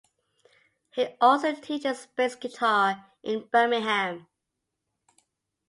He also teaches bass guitar in Birmingham.